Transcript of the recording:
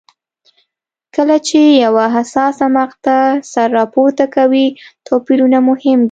کله چې یوه حساسه مقطعه سر راپورته کوي توپیرونه مهم کېږي.